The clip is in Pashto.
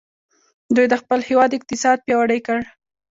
دوی د خپل هیواد اقتصاد پیاوړی کړ.